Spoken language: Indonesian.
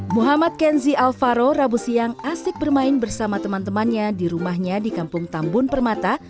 muhammad kenzi alvaro rabu siang asik bermain bersama teman temannya di rumahnya di kampung tambun permata